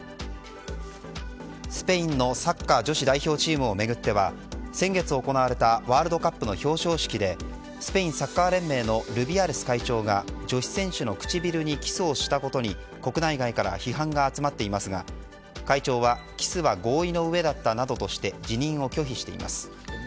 スペインのサッカー女子代表チームを巡っては先月行われたワールドカップの表彰式でスペインサッカー連盟のルビアレス会長が女子選手の唇にキスをしたことに国内外から批判が集まっていますが会長はキスは合意の上だったなどとして辞任を拒否しています。